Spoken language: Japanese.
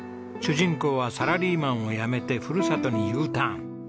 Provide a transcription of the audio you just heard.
主人公はサラリーマンを辞めてふるさとにＵターン。